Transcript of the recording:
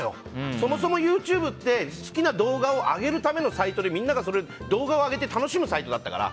そもそもＹｏｕＴｕｂｅって好きな動画を上げるためのサイトでみんなが動画を上げて楽しむサイトだから。